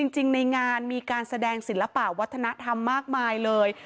ในงานมีการแสดงศิลปะวัฒนธรรมมากมายเลย